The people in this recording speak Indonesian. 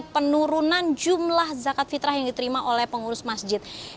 penurunan jumlah zakat fitrah yang diterima oleh pengurus masjid